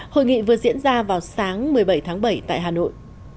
hội nghị vừa diễn ra vào sáng một mươi bảy tháng bảy tại hà nội